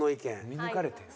見抜かれてんだ。